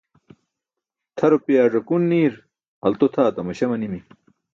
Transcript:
Tʰa rupiyaa żakun niir alto tʰaa tamaśa manimi.